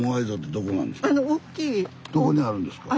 どこにあるんですか？